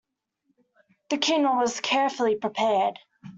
The Quinoa was carefully prepared.